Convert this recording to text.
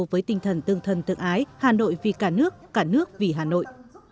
với tinh thần tương thân tương ái hà nội vì cả nước cả nước vì hà nội